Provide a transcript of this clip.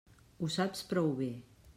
Ho saps prou bé.